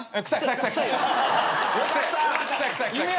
よかった。